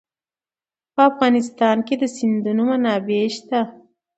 په افغانستان کې د سیندونه منابع شته.